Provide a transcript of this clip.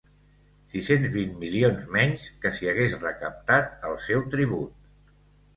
Sis-cents vint milions menys que si hagués recaptat el seu tribut.